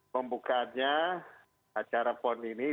pembukanya acara pon ini